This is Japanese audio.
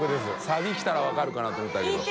サビきたら分かるかなと思ったけど）